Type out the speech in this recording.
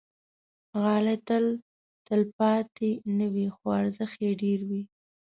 غالۍ تل تلپاتې نه وي، خو ارزښت یې ډېر وي.